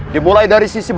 dimulai dari sisi pejabatnya